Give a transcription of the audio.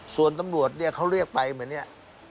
ส่วนตำรวจเขาเรียกไปเหมือนนี้